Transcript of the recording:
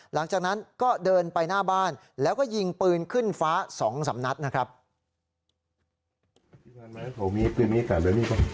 หลังจากนั้นก็เดินไปหน้าบ้านแล้วก็ยิงปืนขึ้นฟ้า๒๓นัดนะครับ